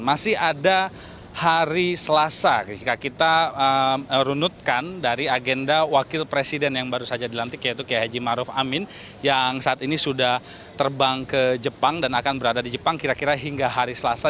masih ada hari selasa ketika kita runutkan dari agenda wakil presiden yang baru saja dilantik yaitu k h maruf amin yang saat ini sudah terbang ke jepang dan akan berada di jepang kira kira hingga hari selasa